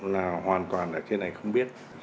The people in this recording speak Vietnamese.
là hoàn toàn ở trên này không biết